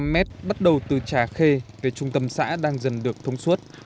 sáu năm mét bắt đầu từ trà khê về trung tâm xã đang dần được thống suốt